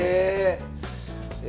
え！